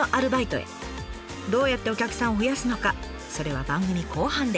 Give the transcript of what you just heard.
どうやってお客さんを増やすのかそれは番組後半で。